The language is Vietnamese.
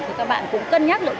thì các bạn cũng cân nhắc